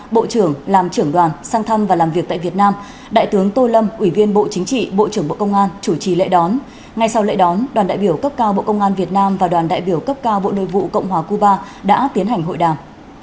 bộ trưởng làm trưởng đoàn sang thăm và làm việc tại việt nam đại tướng tô lâm ủy viên bộ chính trị bộ trưởng bộ công an chủ trì lễ đón ngay sau lễ đón đoàn đại biểu cấp cao bộ công an việt nam và đoàn đại biểu cấp cao bộ nội vụ cộng hòa cuba đã tiến hành hội đàm